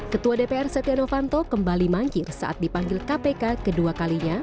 ketua dpr setia novanto kembali mangkir saat dipanggil kpk kedua kalinya